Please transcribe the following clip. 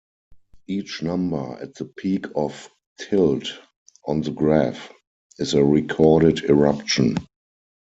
Each number at the peak of tilt, on the graph, is a recorded eruption.